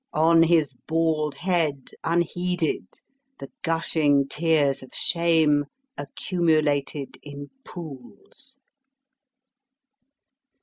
On his bald head, unheeded, the gushing tears of shame accumulated in pools.